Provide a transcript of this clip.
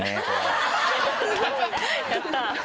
やった。